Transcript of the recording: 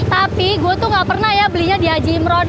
tapi gue tuh gak pernah ya belinya di haji imron